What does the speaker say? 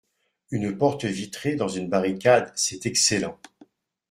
Une porte vitrée dans une barricade, c'est excellent.